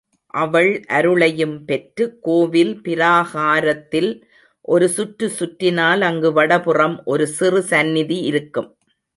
அவள் அருளையும் பெற்று, கோவில் பிராகாரத்தில் ஒரு சுற்று சுற்றினால் அங்கு வடபுறம் ஒரு சிறு சந்நிதி இருக்கும்.